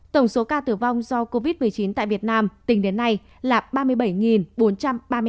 tổng số ca tử vong do covid một mươi chín tại việt nam tính đến nay là ba mươi bảy bốn trăm ba mươi hai ca chiếm tỷ lệ một bảy so với tổng số ca nhẫm